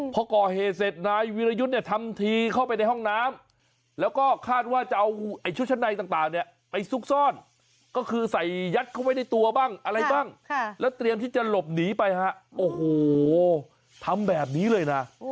พอก่อเหตุเสร็จนายวิรยุทธ์เนี่ยทำทีเข้าไปในห้องน้ำแล้วก็คาดว่าจะเอาไอ้ชุดชั้นในต่างเนี่ยไปซุกซ่อนก็คือใส่ยัดเข้าไว้ในตัวบ้างอะไรบ้างแล้วเตรียมที่จะหลบหนีไปฮะโอ้โหทำแบบนี้เลยนะ